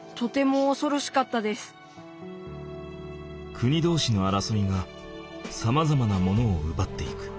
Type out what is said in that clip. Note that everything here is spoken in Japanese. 国同士の争いがさまざまなものを奪っていく。